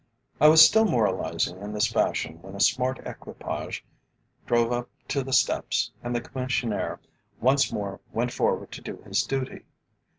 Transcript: I was still moralising in this fashion when a smart equipage drove up to the steps, and the Commissionaire once more went forward to do his duty.